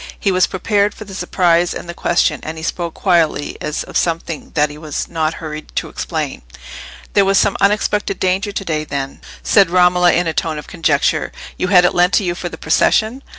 He was prepared for the surprise and the question, and he spoke quietly, as of something that he was not hurried to explain. "There was some unexpected danger to day, then?" said Romola, in a tone of conjecture. "You had it lent to you for the procession?"